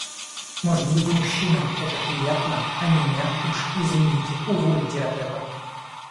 Может быть, мужчинам это приятно, а меня, уж извините, увольте от этого.